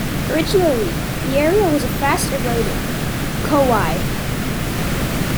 Originally, the area was a fast eroding 'Khowai'.